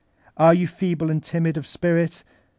Are you feeble and timid of spirit?